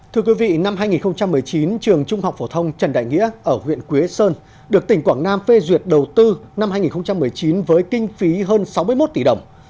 thưa quý vị năm hai nghìn một mươi chín trường trung học phổ thông trần đại nghĩa ở huyện quế sơn được tỉnh quảng nam phê duyệt đầu tư năm hai nghìn một mươi chín với kinh phí hơn sáu mươi một tỷ đồng